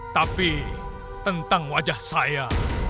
tapi tentang wajah saya